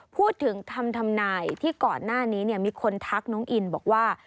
พูดถึงคำทำนายที่ก่อนหน้านี้มีคนทักน้องอินบอกว่า